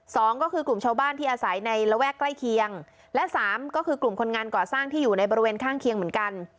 สองก็คือกลุ่มชาวบ้านที่อาศัยในระแวกใกล้เคียงและสามก็คือกลุ่มคนงานก่อสร้างที่อยู่ในบริเวณข้างเคียงเหมือนกัน